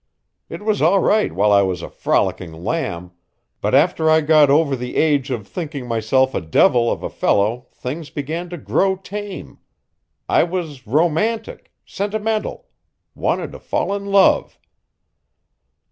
It was all right while I was a frolicking lamb, but after I got over the age of thinking myself a devil of a fellow things began to grow tame. I was romantic, sentimental wanted to fall in love."